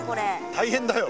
大変だよ。